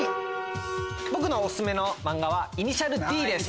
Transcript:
僕のオススメの漫画は『頭文字Ｄ』です。